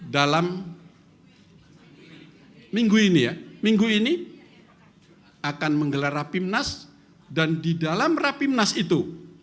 dalam minggu ini ya minggu ini akan menggelar rapimnas dan di dalam rapimnas itu